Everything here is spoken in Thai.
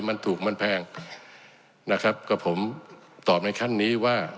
มันถูกมันแพงนะครับกับผมตอบในขั้นนี้ว่า